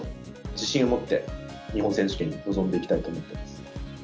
自信を持って、日本選手権に臨んでいきたいと思ってます。